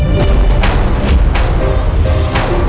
dewa temen aku